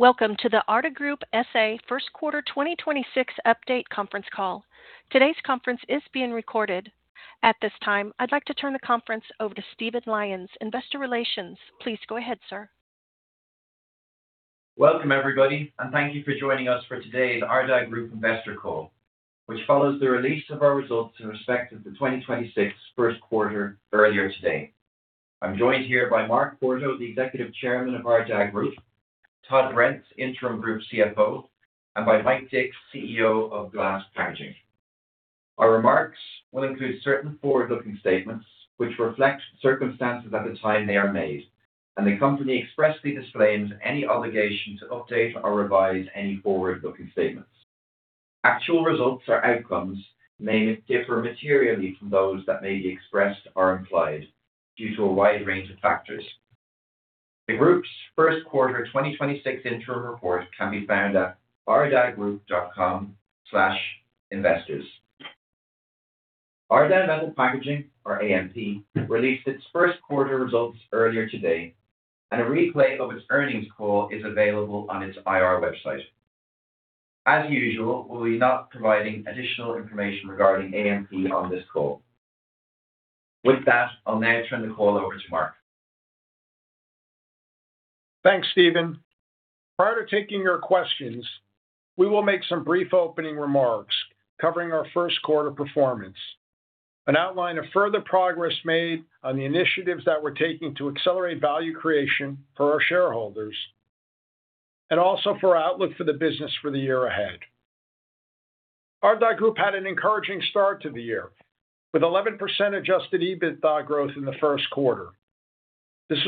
Welcome to the Ardagh Group S.A. first quarter 2026 update conference call. Today's conference is being recorded. At this time, I'd like to turn the conference over to Stephen Lyons, Investor Relations. Please go ahead, sir. Welcome, everybody, and thank you for joining us for today's Ardagh Group investor call, which follows the release of our results in respect of the 2026 first quarter earlier today. I'm joined here by Mark Porto, the Executive Chair of Ardagh Group, Todd Brents, Interim Group CFO, and by Michael Dick, CEO of Glass Packaging. Our remarks will include certain forward-looking statements which reflect circumstances at the time they are made, and the company expressly disclaims any obligation to update or revise any forward-looking statements. Actual results or outcomes may differ materially from those that may be expressed or implied due to a wide range of factors. The group's first quarter 2026 interim report can be found at ardaghgroup.com/investors. Ardagh Metal Packaging, or AMP, released its first quarter results earlier today, and a replay of its earnings call is available on its IR website. As usual, we'll be not providing additional information regarding AMP on this call. With that, I'll now turn the call over to Mark. Thanks, Stephen. Prior to taking your questions, we will make some brief opening remarks covering our first quarter performance, an outline of further progress made on the initiatives that we're taking to accelerate value creation for our shareholders, and also for our outlook for the business for the year ahead. Ardagh Group had an encouraging start to the year, with 11% Adjusted EBITDA growth in the first quarter. This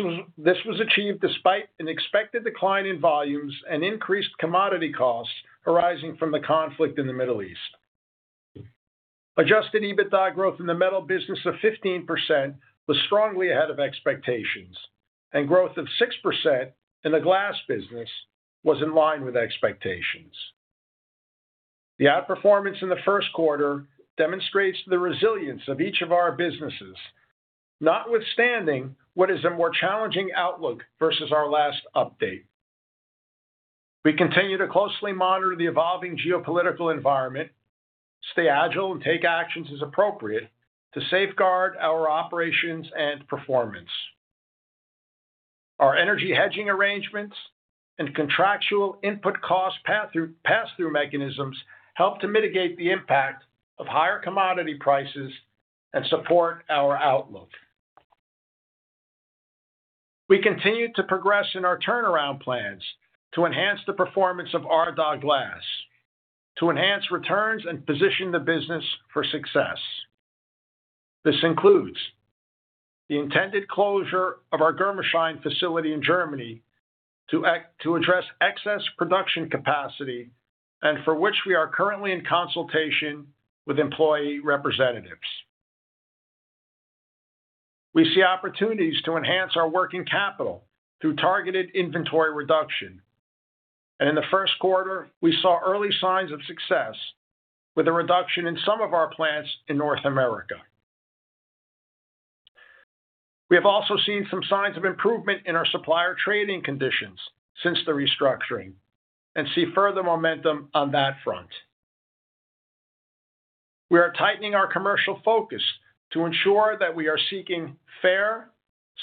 was achieved despite an expected decline in volumes and increased commodity costs arising from the conflict in the Middle East. Adjusted EBITDA growth in the metal business of 15% was strongly ahead of expectations, and growth of 6% in the glass business was in line with expectations. The outperformance in the first quarter demonstrates the resilience of each of our businesses, notwithstanding what is a more challenging outlook versus our last update. We continue to closely monitor the evolving geopolitical environment, stay agile and take actions as appropriate to safeguard our operations and performance. Our energy hedging arrangements and contractual input cost pass-through mechanisms help to mitigate the impact of higher commodity prices and support our outlook. We continue to progress in our turnaround plans to enhance the performance of Ardagh Glass, to enhance returns and position the business for success. This includes the intended closure of our Germersheim facility in Germany to address excess production capacity, and for which we are currently in consultation with employee representatives. We see opportunities to enhance our working capital through targeted inventory reduction. In the first quarter, we saw early signs of success with a reduction in some of our plants in North America. We have also seen some signs of improvement in our supplier trading conditions since the restructuring and see further momentum on that front. We are tightening our commercial focus to ensure that we are seeking fair,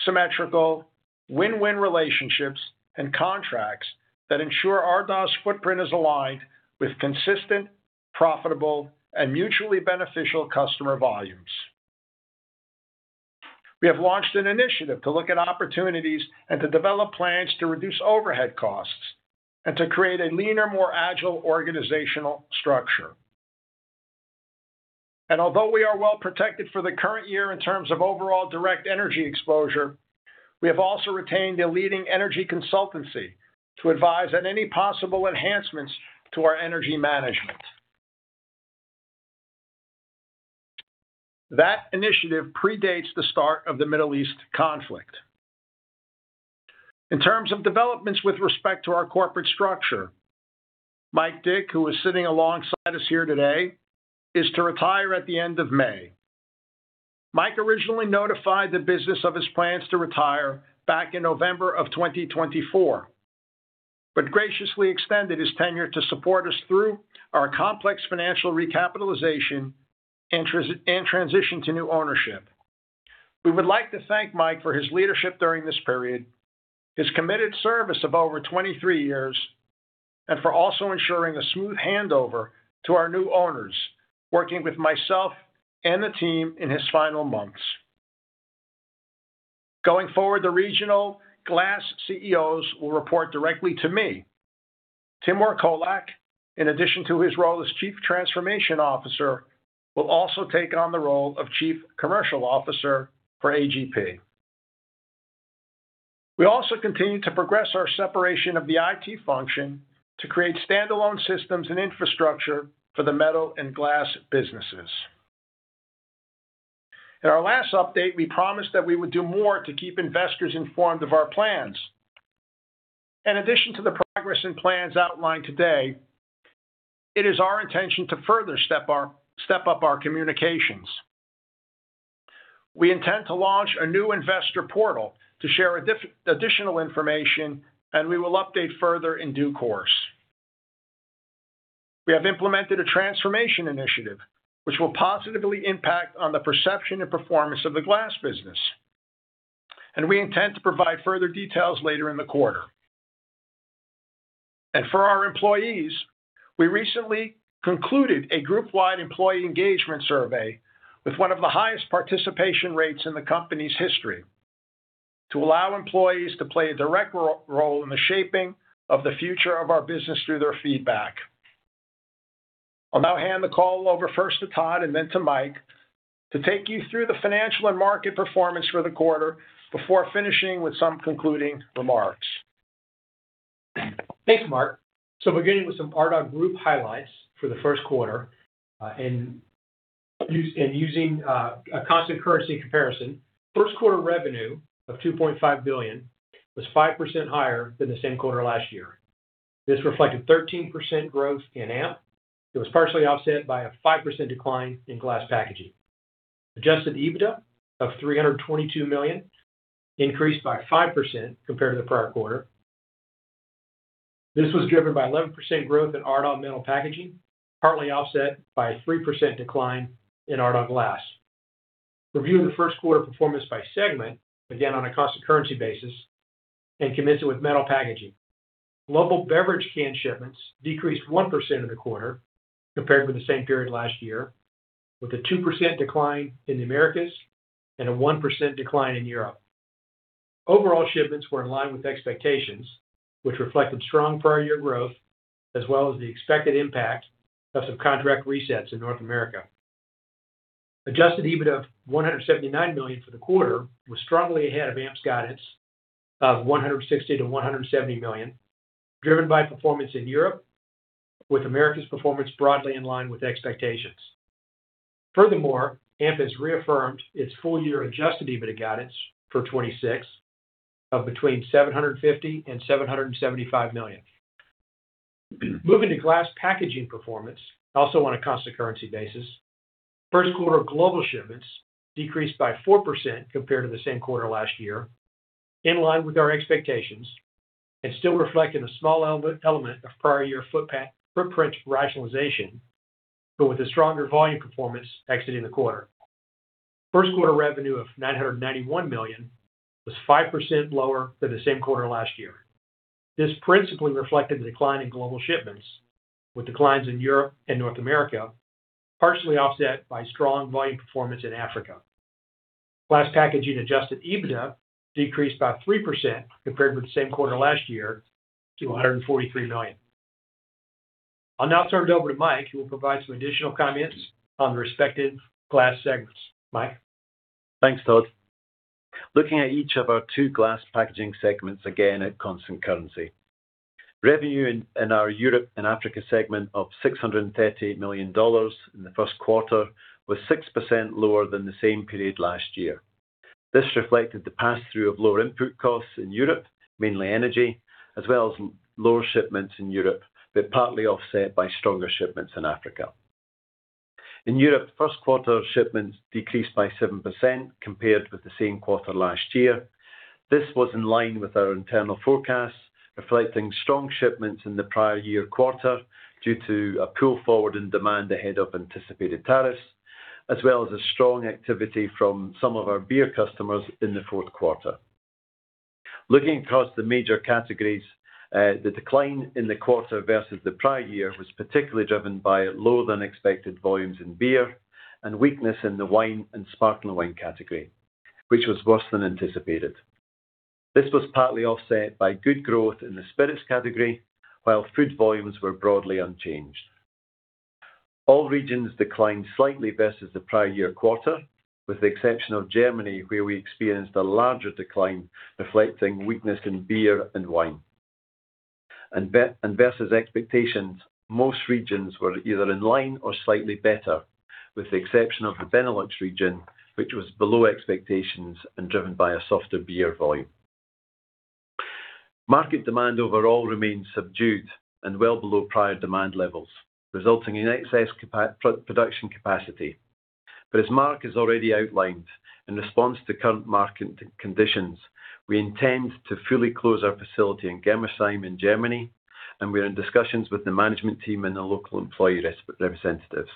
symmetrical, win-win relationships and contracts that ensure Ardagh's footprint is aligned with consistent, profitable, and mutually beneficial customer volumes. We have launched an initiative to look at opportunities and to develop plans to reduce overhead costs and to create a leaner, more agile organizational structure. Although we are well protected for the current year in terms of overall direct energy exposure, we have also retained a leading energy consultancy to advise on any possible enhancements to our energy management. That initiative predates the start of the Middle East conflict. In terms of developments with respect to our corporate structure, Mike Dick, who is sitting alongside us here today, is to retire at the end of May. Mike originally notified the business of his plans to retire back in November of 2024, but graciously extended his tenure to support us through our complex financial recapitalization and transition to new ownership. We would like to thank Mike for his leadership during this period, his committed service of over 23 years, and for also ensuring a smooth handover to our new owners, working with myself and the team in his final months. Going forward, the regional glass CEOs will report directly to me. Hermanus Troskie, in addition to his role as Chief Transformation Officer, will also take on the role of Chief Commercial Officer for AGP. We also continue to progress our separation of the IT function to create standalone systems and infrastructure for the metal and glass businesses. In our last update, we promised that we would do more to keep investors informed of our plans. In addition to the progress and plans outlined today, it is our intention to further step up our communications. We intend to launch a new investor portal to share additional information, and we will update further in due course. We have implemented a transformation initiative which will positively impact on the perception and performance of the glass business, and we intend to provide further details later in the quarter. For our employees, we recently concluded a group-wide employee engagement survey with one of the highest participation rates in the company's history to allow employees to play a direct role in the shaping of the future of our business through their feedback. I'll now hand the call over first to Todd and then to Mike to take you through the financial and market performance for the quarter before finishing with some concluding remarks. Thanks, Mark. Beginning with some Ardagh Group highlights for the first quarter, and using a constant currency comparison, first quarter revenue of 2.5 billion was 5% higher than the same quarter last year. This reflected 13% growth in AMP. It was partially offset by a 5% decline in glass packaging. Adjusted EBITDA of 322 million increased by 5% compared to the prior quarter. This was driven by 11% growth in Ardagh Metal Packaging, partly offset by a 3% decline in Ardagh Glass. Reviewing the first quarter performance by segment, again on a constant currency basis, and commencing with metal packaging. Global beverage can shipments decreased 1% in the quarter compared with the same period last year, with a 2% decline in the Americas and a 1% decline in Europe. Overall shipments were in line with expectations, which reflected strong prior year growth, as well as the expected impact of some contract resets in North America. Adjusted EBITDA of 179 million for the quarter was strongly ahead of AMP's guidance of 160 million-170 million, driven by performance in Europe, with Americas performance broadly in line with expectations. Furthermore, AMP has reaffirmed its full year adjusted EBITDA guidance for 2026 of between 750 million and 775 million. Moving to glass packaging performance, also on a constant currency basis, first quarter global shipments decreased by 4% compared to the same quarter last year, in line with our expectations and still reflecting a small element of prior year footprint rationalization, but with a stronger volume performance exiting the quarter. First quarter revenue of 991 million was 5% lower than the same quarter last year. This principally reflected the decline in global shipments, with declines in Europe and North America partially offset by strong volume performance in Africa. Glass Packaging Adjusted EBITDA decreased by 3% compared with the same quarter last year to 143 million. I'll now turn it over to Mike, who will provide some additional comments on the respective glass segments. Mike? Thanks, Todd. Looking at each of our two glass packaging segments, again at constant currency. Revenue in our Europe and Africa segment of $638 million in the first quarter was 6% lower than the same period last year. This reflected the pass-through of lower input costs in Europe, mainly energy, as well as lower shipments in Europe, but partly offset by stronger shipments in Africa. In Europe, first quarter shipments decreased by 7% compared with the same quarter last year. This was in line with our internal forecasts, reflecting strong shipments in the prior year quarter due to a pull forward in demand ahead of anticipated tariffs, as well as a strong activity from some of our beer customers in the fourth quarter. Looking across the major categories, the decline in the quarter versus the prior year was particularly driven by lower than expected volumes in beer and weakness in the wine and sparkling wine category, which was worse than anticipated. This was partly offset by good growth in the spirits category, while fruit volumes were broadly unchanged. All regions declined slightly versus the prior year quarter, with the exception of Germany, where we experienced a larger decline reflecting weakness in beer and wine. Versus expectations, most regions were either in line or slightly better, with the exception of the Benelux region, which was below expectations and driven by a softer beer volume. Market demand overall remains subdued and well below prior demand levels, resulting in excess production capacity. As Mark has already outlined, in response to current market conditions, we intend to fully close our facility in Germersheim in Germany, and we are in discussions with the management team and the local employee representatives.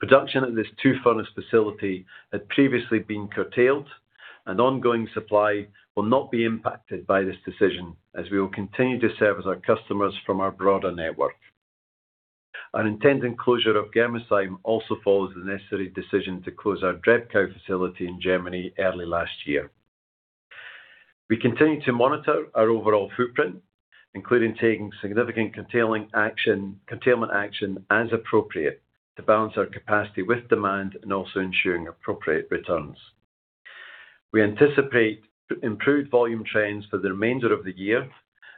Production at this two-furnace facility had previously been curtailed, and ongoing supply will not be impacted by this decision, as we will continue to service our customers from our broader network. Our intended closure of Germersheim also follows the necessary decision to close our Drebkau facility in Germany early last year. We continue to monitor our overall footprint, including taking significant curtailment action as appropriate to balance our capacity with demand and also ensuring appropriate returns. We anticipate improved volume trends for the remainder of the year,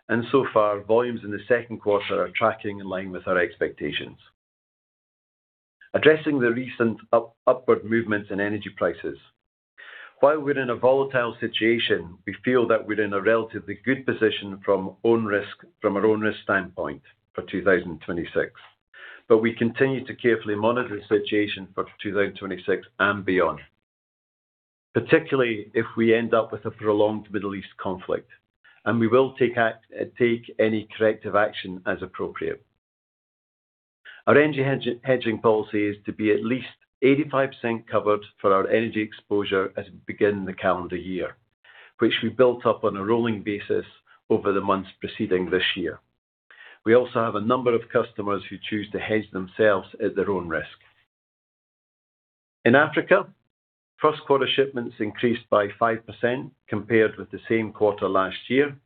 and so far, volumes in the second quarter are tracking in line with our expectations. Addressing the recent upward movements in energy prices. While we're in a volatile situation, we feel that we're in a relatively good position from our own risk standpoint for 2026. We continue to carefully monitor the situation for 2026 and beyond, particularly if we end up with a prolonged Middle East conflict, and we will take any corrective action as appropriate. Our energy hedging policy is to be at least 85% covered for our energy exposure as we begin the calendar year, which we built up on a rolling basis over the months preceding this year. We also have a number of customers who choose to hedge themselves at their own risk. In Africa, first quarter shipments increased by 5% compared with the same quarter last year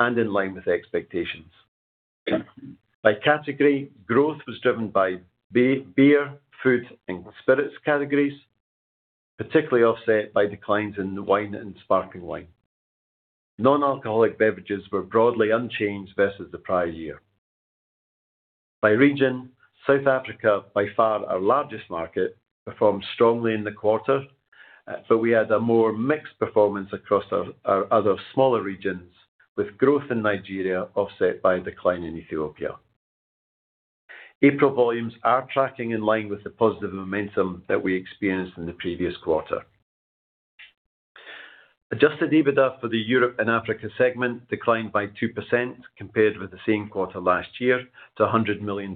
and in line with expectations. By category, growth was driven by beer, food, and spirits categories, particularly offset by declines in wine and sparkling wine. Nonalcoholic beverages were broadly unchanged versus the prior year. By region, South Africa, by far our largest market, performed strongly in the quarter, but we had a more mixed performance across our other smaller regions, with growth in Nigeria offset by a decline in Ethiopia. April volumes are tracking in line with the positive momentum that we experienced in the previous quarter. Adjusted EBITDA for the Europe and Africa segment declined by 2% compared with the same quarter last year to EUR 100 million.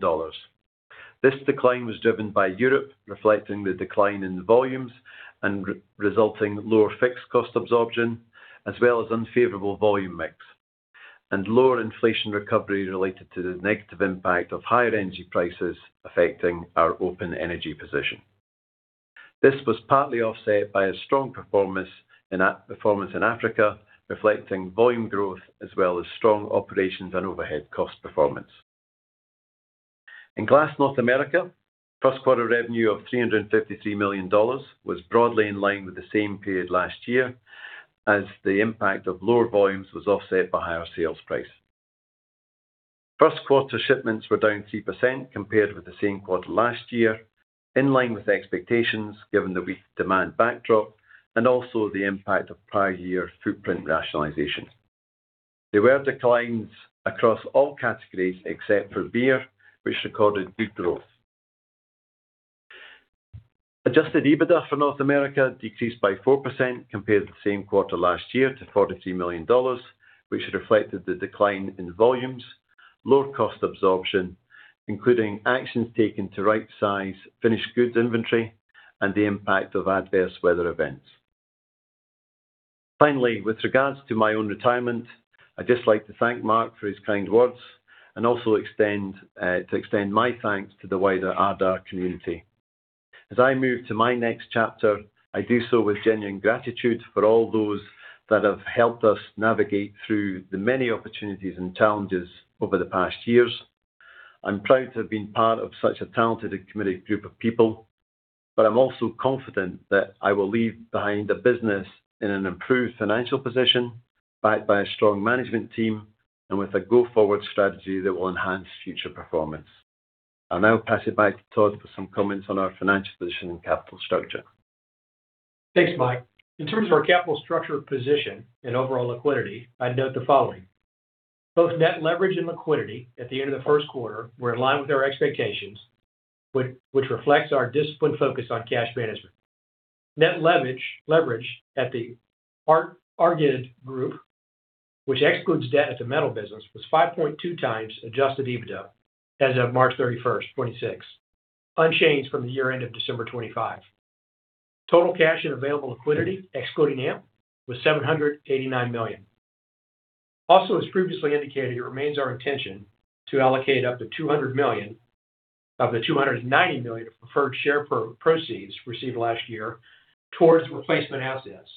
This decline was driven by Europe, reflecting the decline in the volumes and resulting lower fixed cost absorption, as well as unfavorable volume mix and lower inflation recovery related to the negative impact of higher energy prices affecting our open energy position. This was partly offset by a strong performance in Africa, reflecting volume growth, as well as strong operations and overhead cost performance. In Glass North America, first quarter revenue of $353 million was broadly in line with the same period last year, as the impact of lower volumes was offset by higher sales price. First quarter shipments were down 3% compared with the same quarter last year, in line with expectations, given the weak demand backdrop and also the impact of prior year footprint rationalization. There were declines across all categories except for beer, which recorded good growth. Adjusted EBITDA for North America decreased by 4% compared to the same quarter last year to $43 million, which reflected the decline in volumes, lower cost absorption, including actions taken to right size finished goods inventory, and the impact of adverse weather events. Finally, with regards to my own retirement, I'd just like to thank Mark for his kind words and also to extend my thanks to the wider Ardagh community. As I move to my next chapter, I do so with genuine gratitude for all those that have helped us navigate through the many opportunities and challenges over the past years. I'm proud to have been part of such a talented and committed group of people, but I'm also confident that I will leave behind a business in an improved financial position, backed by a strong management team and with a go-forward strategy that will enhance future performance. I'll now pass it back to Todd for some comments on our financial position and capital structure. Thanks, Mike. In terms of our capital structure position and overall liquidity, I'd note the following. Both net leverage and liquidity at the end of the first quarter were in line with our expectations, which reflects our disciplined focus on cash management. Net leverage at the Ardagh Group, which excludes debt at the metal business, was 5.2x Adjusted EBITDA as of March 31st, 2026, unchanged from the year-end of December 2025. Total cash and available liquidity, excluding AMP, was $789 million. Also, as previously indicated, it remains our intention to allocate up to $200 million of the $290 million of preferred share proceeds received last year towards replacement assets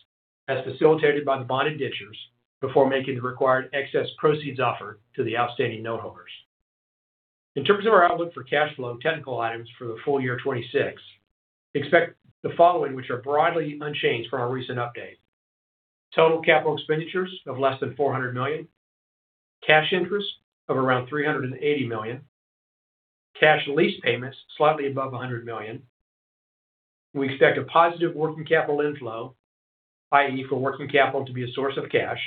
as facilitated by the bond indentures before making the required excess proceeds offered to the outstanding noteholders. In terms of our outlook for cash flow and technical items for the full year 2026, expect the following, which are broadly unchanged from our recent update. Total capital expenditures of less than 400 million, cash interest of around 380 million, cash lease payments slightly above 100 million. We expect a positive working capital inflow, i.e., for working capital to be a source of cash,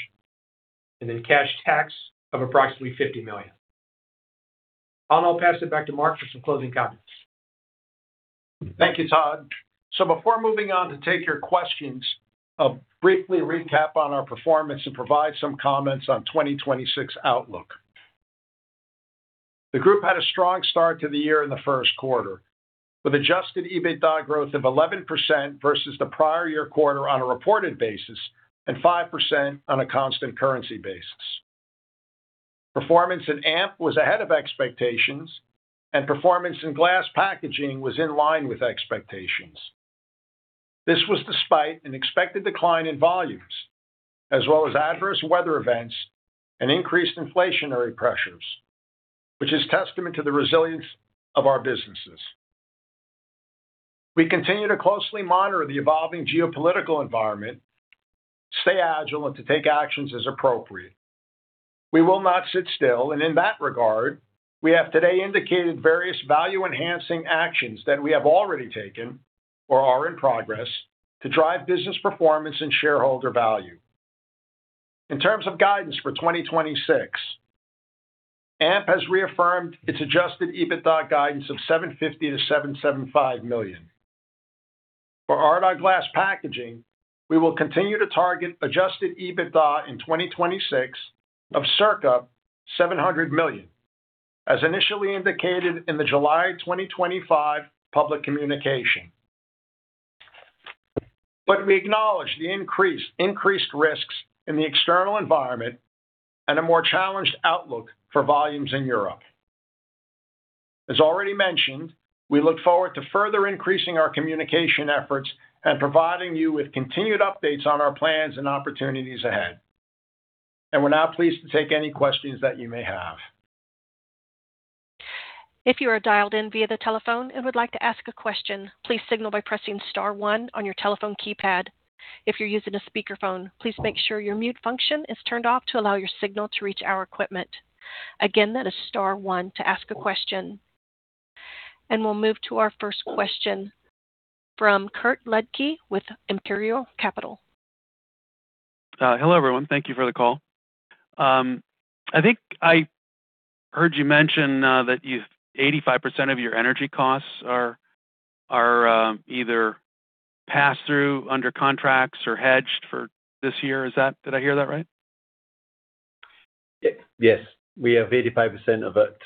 and then cash tax of approximately 50 million. I'll now pass it back to Mark for some closing comments. Thank you, Todd. Before moving on to take your questions, I'll briefly recap on our performance and provide some comments on 2026 outlook. The group had a strong start to the year in the first quarter, with Adjusted EBITDA growth of 11% versus the prior year quarter on a reported basis and 5% on a constant currency basis. Performance in AMP was ahead of expectations, and performance in glass packaging was in line with expectations. This was despite an expected decline in volumes, as well as adverse weather events and increased inflationary pressures, which is testament to the resilience of our businesses. We continue to closely monitor the evolving geopolitical environment, stay agile, and to take actions as appropriate. We will not sit still, and in that regard, we have today indicated various value-enhancing actions that we have already taken or are in progress to drive business performance and shareholder value. In terms of guidance for 2026, AMP has reaffirmed its Adjusted EBITDA guidance of 750 million-775 million. For Ardagh Glass Packaging, we will continue to target Adjusted EBITDA in 2026 of circa 700 million, as initially indicated in the July 2025 public communication. We acknowledge the increased risks in the external environment and a more challenged outlook for volumes in Europe. As already mentioned, we look forward to further increasing our communication efforts and providing you with continued updates on our plans and opportunities ahead. We're now pleased to take any questions that you may have. If you are dialed in via the telephone and would like to ask a question, please signal by pressing star one on your telephone keypad. If you're using a speakerphone, please make sure your mute function is turned off to allow your signal to reach our equipment. Again, that is star one to ask a question. We'll move to our first question from Kurt Ludtke with Imperial Capital. Hello, everyone. Thank you for the call. I think I heard you mention that 85% of your energy costs are either passed through under contracts or hedged for this year. Did I hear that right? Yes. We have 85% of it.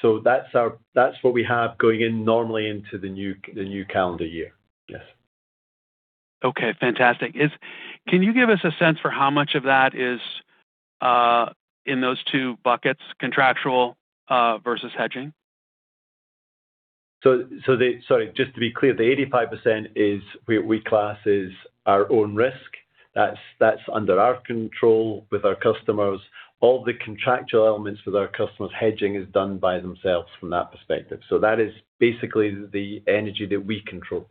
That's what we have going in normally into the new calendar year. Yes. Okay. Fantastic. Can you give us a sense for how much of that is in those two buckets, contractual versus hedging? Sorry, just to be clear, the 85% is, we class as our own risk. That's under our control with our customers. All the contractual elements with our customers, hedging is done by themselves from that perspective. That is basically the energy that we control.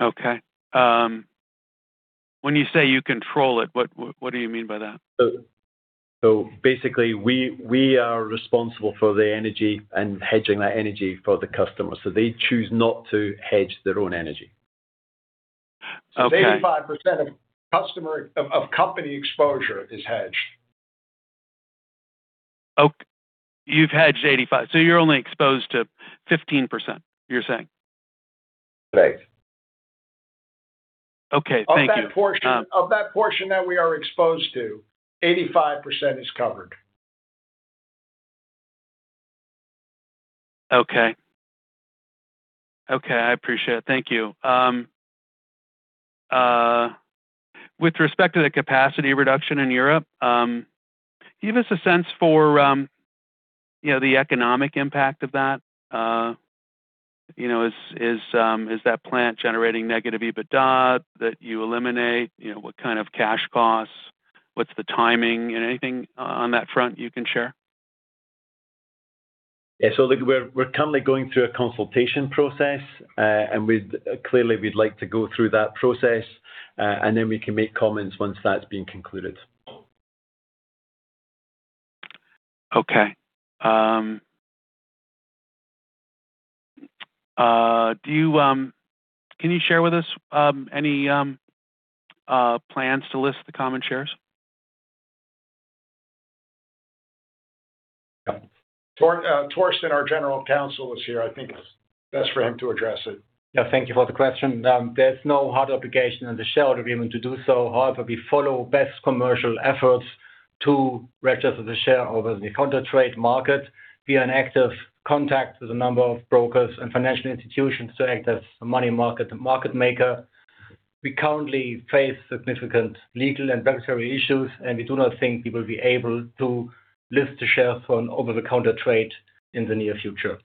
Okay. When you say you control it, what do you mean by that? Basically, we are responsible for the energy and hedging that energy for the customer. They choose not to hedge their own energy. Okay. 85% of company exposure is hedged. You've hedged 85%. You're only exposed to 15%, you're saying? Right. Okay. Thank you. Of that portion that we are exposed to, 85% is covered. Okay. I appreciate it. Thank you. With respect to the capacity reduction in Europe, give us a sense for the economic impact of that. Is that plant generating negative EBITDA that you eliminate? What kind of cash costs? What's the timing? Anything on that front you can share? Yeah. We're currently going through a consultation process. Clearly, we'd like to go through that process, and then we can make comments once that's been concluded. Okay. Can you share with us any plans to list the common shares? Torsten, our General Counsel, is here. I think it's best for him to address it. Yeah. Thank you for the question. There's no hard obligation on the shareholder agreement to do so. However, we follow best commercial efforts to register the shares on the over-the-counter market via active contacts with a number of brokers and financial institutions to act as market makers. We currently face significant legal and regulatory issues, and we do not think we will be able to list the shares on the over-the-counter market in the near future.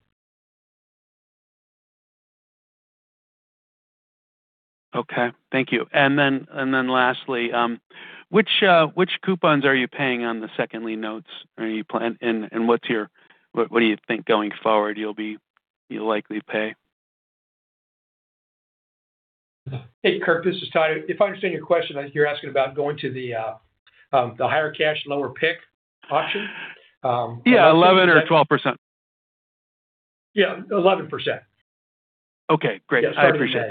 Okay. Thank you. Lastly, which coupons are you paying on the second lien notes? What do you think going forward you'll likely pay? Hey, Kurt, this is Todd. If I understand your question, you're asking about going to the higher cash, lower PIK option? Yeah, 11 or 12%? Yeah. 11%. Okay. Great. Yeah. Starting today. I appreciate it.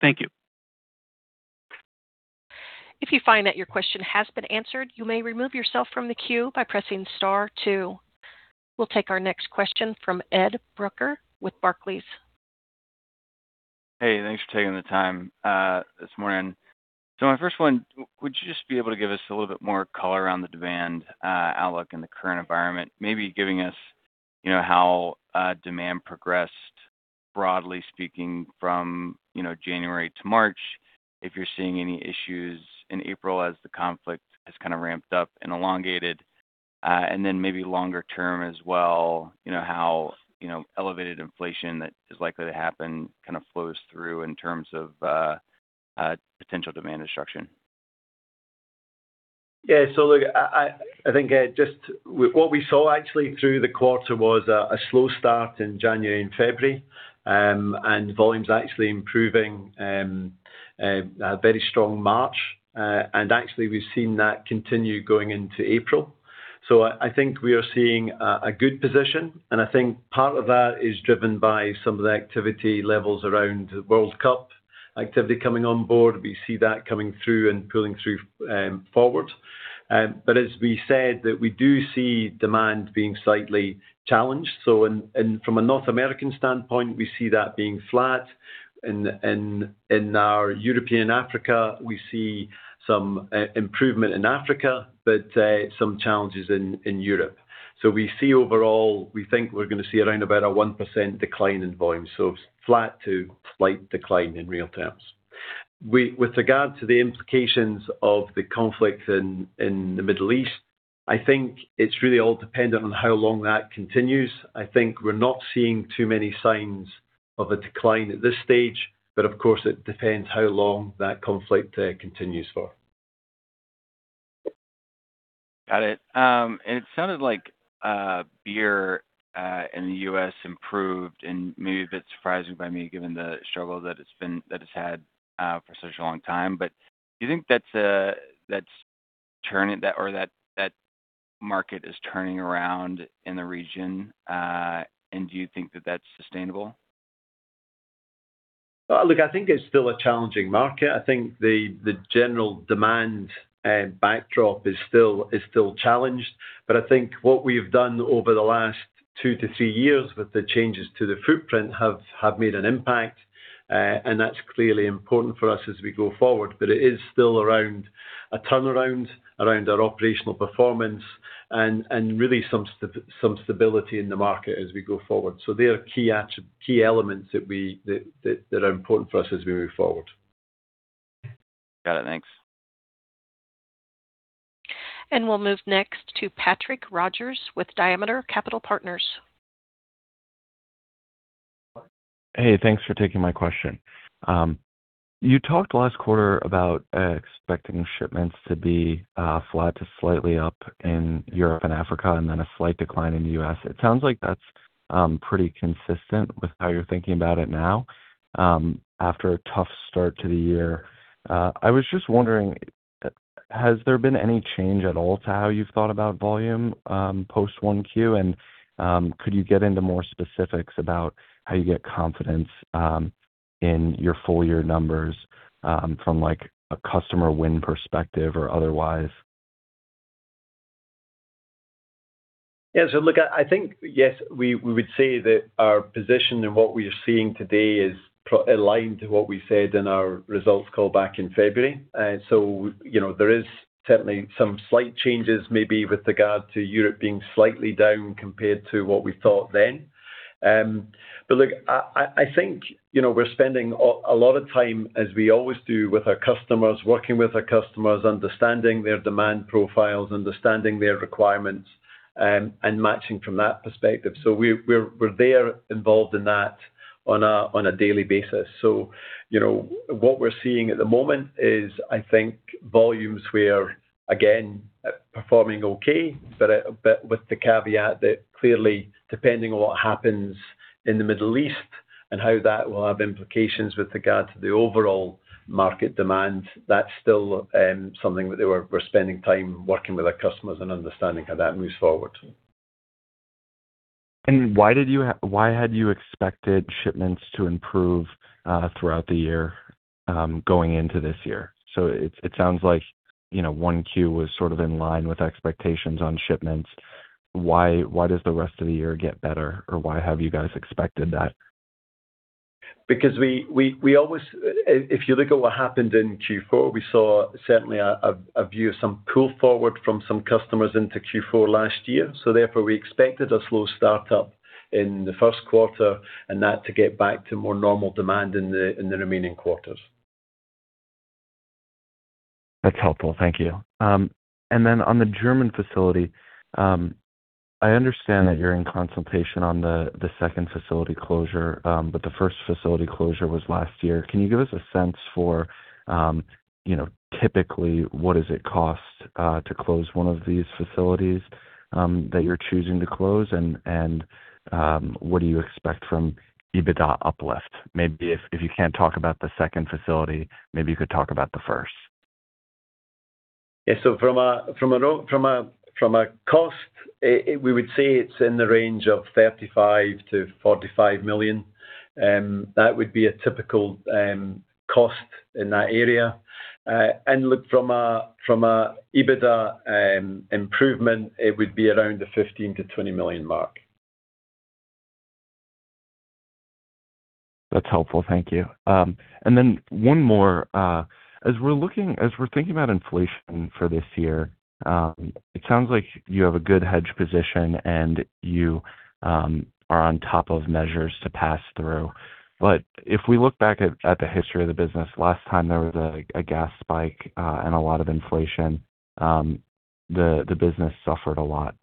Thank you. If you find that your question has been answered you may remove yourself from the queue by pressing star two. We'll take our next question from Ed Brucker with Barclays. Hey, thanks for taking the time this morning. My first one, would you just be able to give us a little bit more color on the demand outlook in the current environment, maybe giving us how demand progressed, broadly speaking, from January to March. If you're seeing any issues in April as the conflict has ramped up and elongated. Maybe longer term as well, how elevated inflation that is likely to happen kind of flows through in terms of potential demand destruction. Yeah. Look, I think just what we saw actually through the quarter was a slow start in January and February, and volumes actually improving, a very strong March. Actually we've seen that continue going into April. I think we are seeing a good position, and I think part of that is driven by some of the activity levels around the World Cup activity coming on board. We see that coming through and pulling through forward. As we said, that we do see demand being slightly challenged. From a North American standpoint, we see that being flat. In our Europe and Africa, we see some improvement in Africa, but some challenges in Europe. Overall, we think we're going to see around about a 1% decline in volume. Flat to slight decline in real terms. With regard to the implications of the conflict in the Middle East, I think it's really all dependent on how long that continues. I think we're not seeing too many signs of a decline at this stage, but of course, it depends how long that conflict continues for. Got it. It sounded like beer in the U.S. improved and maybe a bit surprising to me given the struggle that it's had for such a long time. Do you think that market is turning around in the region? Do you think that that's sustainable? Look, I think it's still a challenging market. I think the general demand backdrop is still challenged. I think what we've done over the last two to three years with the changes to the footprint have made an impact, and that's clearly important for us as we go forward. It is still around a turnaround, around our operational performance and really some stability in the market as we go forward. They are key elements that are important for us as we move forward. Got it. Thanks. We'll move next to Patrick Rogers with Diameter Capital Partners. Hey, thanks for taking my question. You talked last quarter about expecting shipments to be flat to slightly up in Europe and Africa, and then a slight decline in the U.S. It sounds like that's pretty consistent with how you're thinking about it now, after a tough start to the year. I was just wondering, has there been any change at all to how you've thought about volume, post 1Q? And could you get into more specifics about how you get confidence in your full year numbers from, like, a customer win perspective or otherwise? Yeah. Look, I think, yes, we would say that our position and what we are seeing today is aligned to what we said in our results call back in February. There is certainly some slight changes maybe with regard to Europe being slightly down compared to what we thought then. Look, I think we're spending a lot of time, as we always do, with our customers, working with our customers, understanding their demand profiles, understanding their requirements, and matching from that perspective. We're there involved in that on a daily basis. What we're seeing at the moment is, I think, volumes where again, performing okay, but with the caveat that clearly depending on what happens in the Middle East and how that will have implications with regard to the overall market demand. That's still something that we're spending time working with our customers and understanding how that moves forward. Why had you expected shipments to improve, throughout the year, going into this year? It sounds like 1Q was sort of in line with expectations on shipments. Why does the rest of the year get better, or why have you guys expected that? Because if you look at what happened in Q4, we saw certainly a view of some pull forward from some customers into Q4 last year. Therefore, we expected a slow start up in the first quarter and then to get back to more normal demand in the remaining quarters. That's helpful. Thank you. On the German facility, I understand that you're in consultation on the second facility closure, but the first facility closure was last year. Can you give us a sense for, typically, what does it cost to close one of these facilities that you're choosing to close and what do you expect from EBITDA uplift? Maybe if you can't talk about the second facility, maybe you could talk about the first. Yeah. From a cost, we would say it's in the range of $35 million-$45 million. That would be a typical cost in that area. Look, from a EBITDA improvement, it would be around the $15 million-$20 million mark. That's helpful. Thank you. One more. As we're thinking about inflation for this year, it sounds like you have a good hedge position, and you are on top of measures to pass through. If we look back at the history of the business, last time there was a gas spike, and a lot of inflation. The business suffered a lot.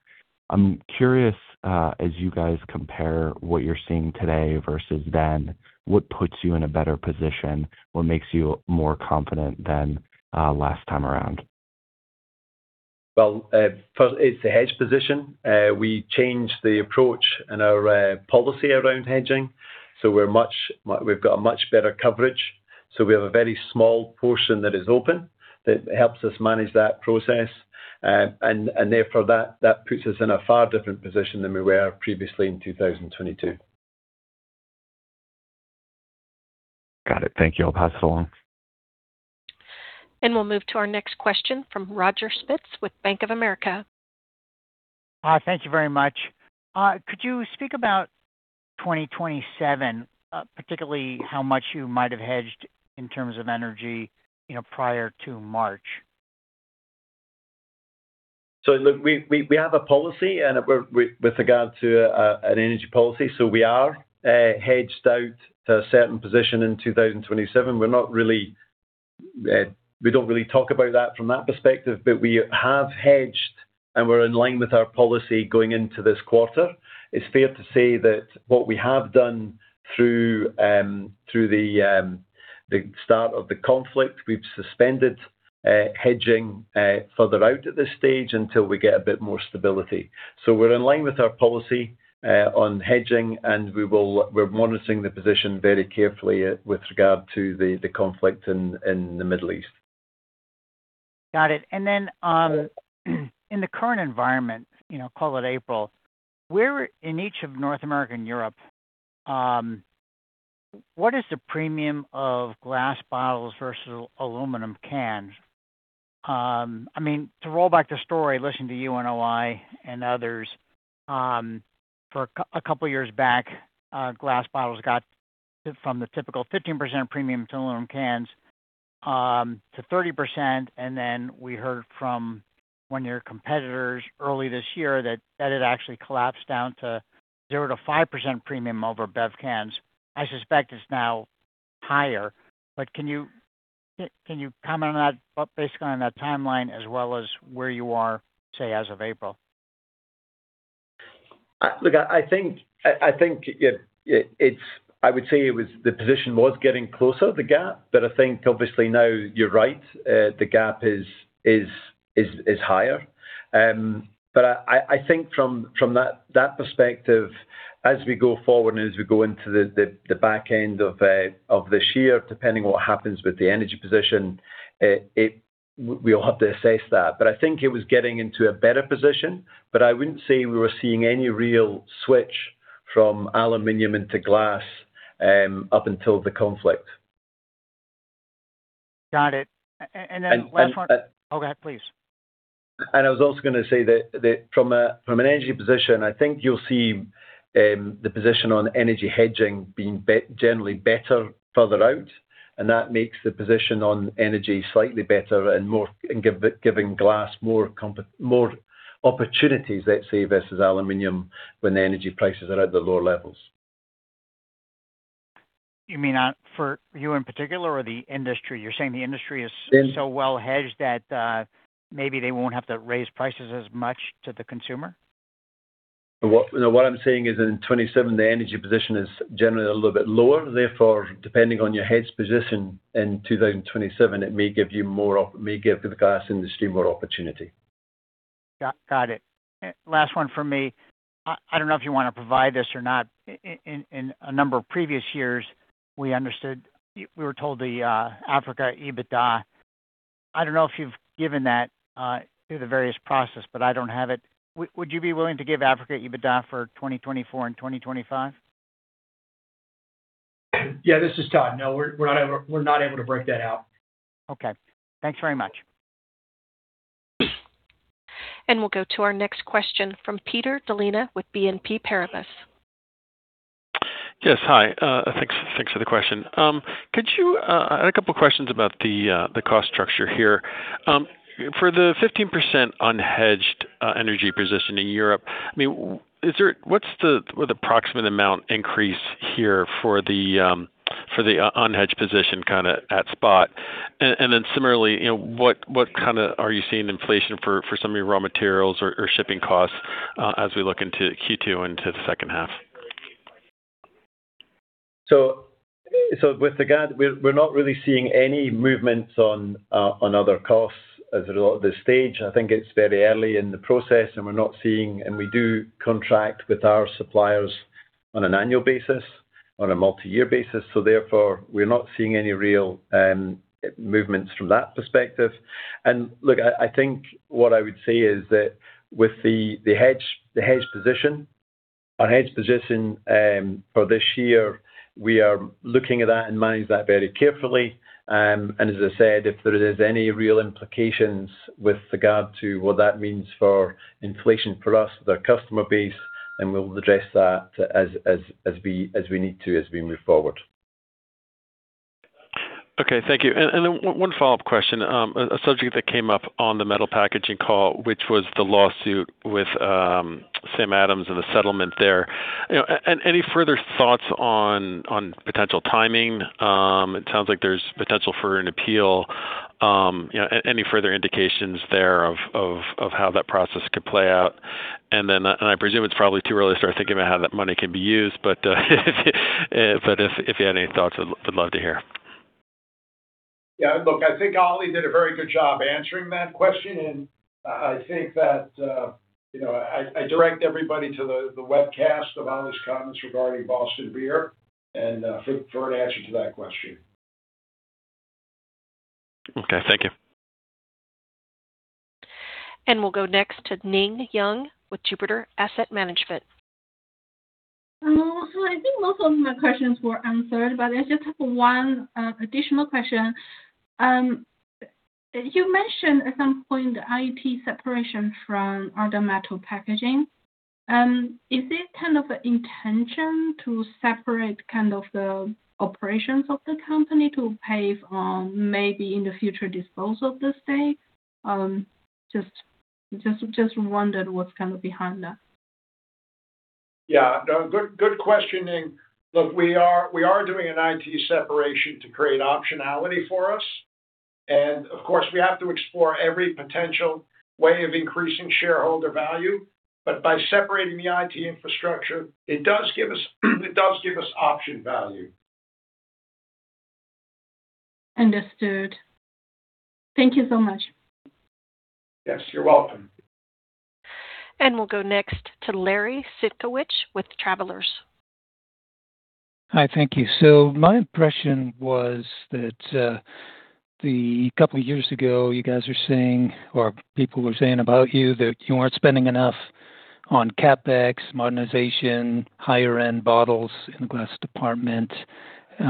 I'm curious, as you guys compare what you're seeing today versus then, what puts you in a better position? What makes you more confident than last time around? Well, first, it's the hedge position. We changed the approach in our policy around hedging, so we've got a much better coverage. We have a very small portion that is open, that helps us manage that process. Therefore, that puts us in a far different position than we were previously in 2022. Got it. Thank you. I'll pass it along. We'll move to our next question from Roger Spitz with Bank of America. Thank you very much. Could you speak about 2027, particularly how much you might have hedged in terms of energy prior to March? Look, we have a policy with regard to an energy policy. We are hedged out to a certain position in 2027. We don't really talk about that from that perspective, but we have hedged, and we're in line with our policy going into this quarter. It's fair to say that what we have done through the start of the conflict, we've suspended hedging further out at this stage until we get a bit more stability. We're in line with our policy on hedging, and we're monitoring the position very carefully with regard to the conflict in the Middle East. Got it. Then, in the current environment, call it April, where in each of North America and Europe, what is the premium of glass bottles versus aluminum cans? To roll back the story, listening to you and O-I Glass and others, for a couple of years back, glass bottles got from the typical 15% premium to aluminum cans, to 30%. Then we heard from one of your competitors early this year that it actually collapsed down to 0%-5% premium over bev cans. I suspect it's now higher. Can you comment on that, basically on that timeline as well as where you are, say as of April? Look, I would say the position was getting closer, the gap, but I think obviously now you're right, the gap is higher. I think from that perspective, as we go forward and as we go into the back end of this year, depending on what happens with the energy position, we'll have to assess that. I think it was getting into a better position, but I wouldn't say we were seeing any real switch from aluminum into glass, up until the conflict. Got it. Last one. Oh, go ahead, please. I was also going to say that from an energy position, I think you'll see the position on energy hedging being generally better further out, and that makes the position on energy slightly better and giving glass more opportunities, let's say, versus aluminum when the energy prices are at the lower levels. You mean for you in particular or the industry? You're saying the industry is so well hedged that maybe they won't have to raise prices as much to the consumer? No, what I'm saying is in 2027, the energy position is generally a little bit lower. Therefore, depending on your hedge position in 2027, it may give the glass industry more opportunity. Got it. Last one from me. I don't know if you want to provide this or not. In a number of previous years, we were told the Africa EBITDA. I don't know if you've given that through the various process, but I don't have it. Would you be willing to give Africa EBITDA for 2024 and 2025? Yeah, this is Todd. No, we're not able to break that out. Okay. Thanks very much. We'll go to our next question from Peter Dalena with BNP Paribas. Yes. Hi. Thanks for the question. I had a couple questions about the cost structure here. For the 15% unhedged energy position in Europe, what's the approximate amount increase here for the unhedged position kind of at spot? And then similarly, what kind of inflation are you seeing for some of your raw materials or shipping costs as we look into Q2 into the second half? With regard, we're not really seeing any movements on other costs as at this stage. I think it's very early in the process. We do contract with our suppliers on an annual basis, on a multi-year basis. Therefore, we're not seeing any real movements from that perspective. Look, I think what I would say is that with the hedged position for this year, we are looking at that and manage that very carefully. As I said, if there is any real implications with regard to what that means for inflation for us, their customer base, then we'll address that as we need to, as we move forward. Okay, thank you. One follow-up question. A subject that came up on the Metal Packaging call, which was the lawsuit with Samuel Adams and the settlement there. Any further thoughts on potential timing? It sounds like there's potential for an appeal. Any further indications there of how that process could play out? I presume it's probably too early to start thinking about how that money can be used, but if you had any thoughts, would love to hear. Yeah, look, I think Ollie did a very good job answering that question, and I think that I direct everybody to the webcast of Ollie's comments regarding Boston Beer for an answer to that question. Okay, thank you. We'll go next to Ning Yang with Jupiter Asset Management. I think most of my questions were answered, but I just have one additional question. You mentioned at some point IT separation from other Metal Packaging. Is it kind of an intention to separate the operations of the company to pave the way to maybe in the future dispose of the stake? Just wondered what's kind of behind that. Yeah. No, good question, Ning. Look, we are doing an IT separation to create optionality for us. Of course, we have to explore every potential way of increasing shareholder value. By separating the IT infrastructure, it does give us option value. Understood. Thank you so much. Yes, you're welcome. We'll go next to Larry Sitcawich with Travelers. Hi. Thank you. My impression was that a couple years ago, you guys are saying, or people were saying about you that you aren't spending enough on CapEx, modernization, higher-end bottles in the glass department. We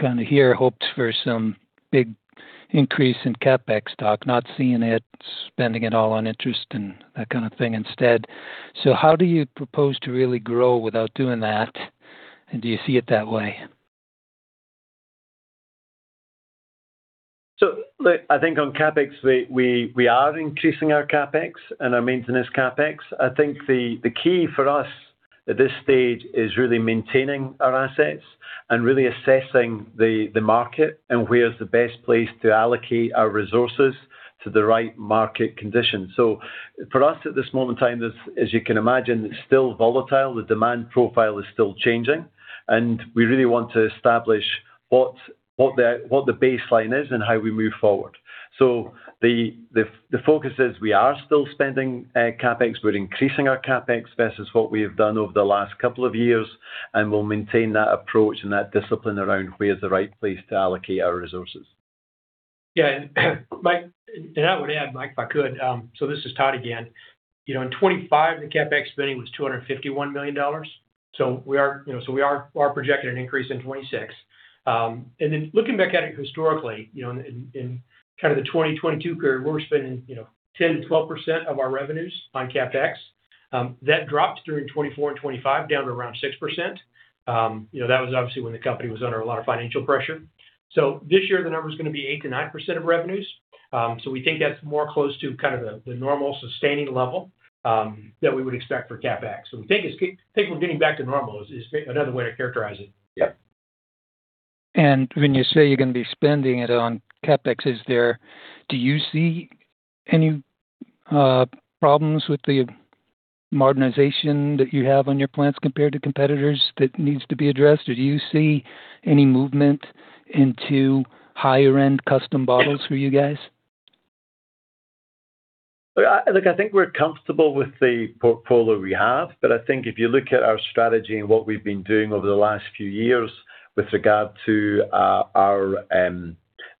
kind of had hoped for some big increase in CapEx stock, not seeing it, spending it all on interest and that kind of thing instead. How do you propose to really grow without doing that? Do you see it that way? Look, I think on CapEx, we are increasing our CapEx and our maintenance CapEx. I think the key for us at this stage is really maintaining our assets and really assessing the market and where's the best place to allocate our resources to the right market conditions. For us at this moment in time, as you can imagine, it's still volatile. The demand profile is still changing, and we really want to establish what the baseline is and how we move forward. The focus is we are still spending CapEx. We're increasing our CapEx versus what we have done over the last couple of years, and we'll maintain that approach and that discipline around where's the right place to allocate our resources. Yeah. I would add, Mike, if I could. This is Todd again. In 2025, the CapEx spending was $251 million. We are projecting an increase in 2026. Looking back at it historically, in kind of the 2022 period, we were spending 10%-12% of our revenues on CapEx. That dropped during 2024 and 2025 down to around 6%. That was obviously when the company was under a lot of financial pressure. This year, the number's gonna be 8%-9% of revenues. We think that's more close to kind of the normal sustaining level that we would expect for CapEx. We think we're getting back to normal is another way to characterize it. Yeah. When you say you're gonna be spending it on CapEx, do you see any problems with the modernization that you have on your plants compared to competitors that needs to be addressed? Or do you see any movement into higher-end custom bottles for you guys? Look, I think we're comfortable with the portfolio we have, but I think if you look at our strategy and what we've been doing over the last few years with regard to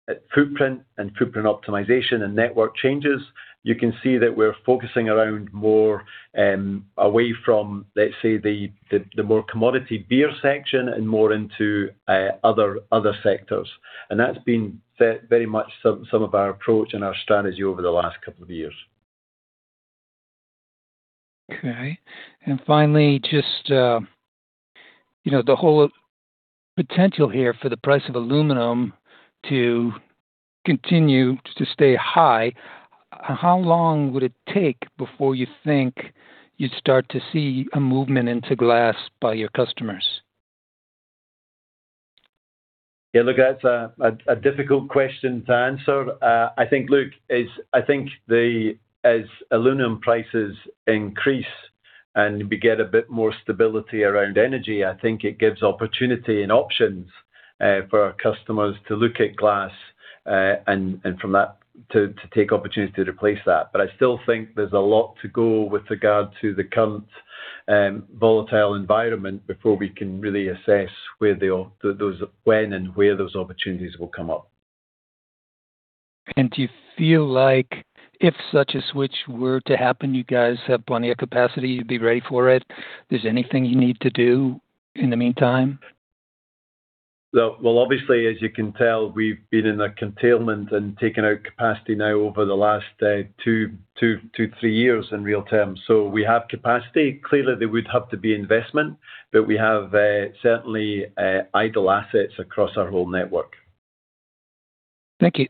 our footprint and footprint optimization and network changes, you can see that we're focusing around more away from, let's say, the more commodity beer section and more into other sectors. That's been very much some of our approach and our strategy over the last couple of years. Okay. Finally, just the whole potential here for the price of aluminum to continue to stay high, how long would it take before you think you'd start to see a movement into glass by your customers? Yeah, look, that's a difficult question to answer. Look, I think as aluminum prices increase and we get a bit more stability around energy, I think it gives opportunity and options for our customers to look at glass, and from that to take opportunity to replace that. But I still think there's a lot to go with regard to the current volatile environment before we can really assess when and where those opportunities will come up. Do you feel like if such a switch were to happen, you guys have plenty of capacity, you'd be ready for it? There's anything you need to do in the meantime? Well, obviously, as you can tell, we've been in a curtailment and taken out capacity now over the last two to three years in real terms. We have capacity. Clearly, there would have to be investment, but we have certainly idle assets across our whole network. Thank you.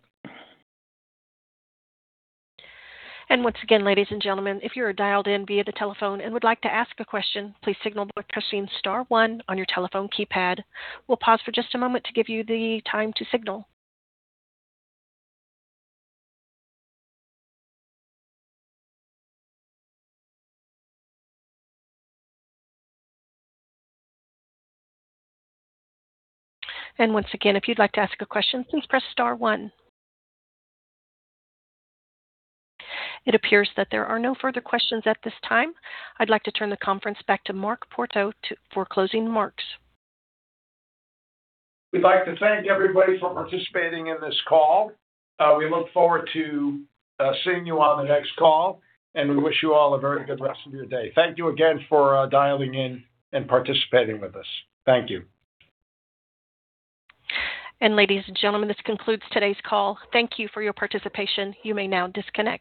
Once again, ladies and gentlemen, if you are dialed in via the telephone and would like to ask a question, please signal by pressing star one on your telephone keypad. We'll pause for just a moment to give you the time to signal. Once again, if you'd like to ask a question, please press star one. It appears that there are no further questions at this time. I'd like to turn the conference back to Mark Porto for closing remarks. We'd like to thank everybody for participating in this call. We look forward to seeing you on the next call, and we wish you all a very good rest of your day. Thank you again for dialing in and participating with us. Thank you. Ladies and gentlemen, this concludes today's call. Thank you for your participation. You may now disconnect.